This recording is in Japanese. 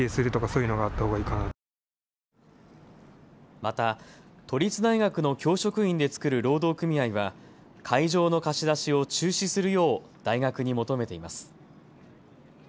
また、都立大学の教職員で作る労働組合は会場の貸し出しを中止するよう大学に求めています。